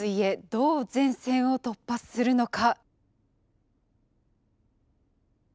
どう前線を突破するのか？